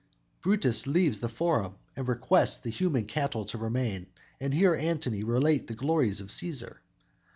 Brutus leaves the Forum and requests the human cattle to remain and hear Antony relate the glories of Cæsar!